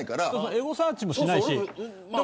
エゴサーチもしないし。